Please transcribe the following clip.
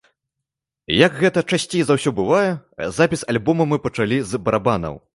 Як гэта часцей за ўсё бывае, запіс альбома мы пачалі з барабанаў.